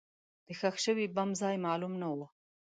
د ښخ شوي بم ځای معلوم نه و.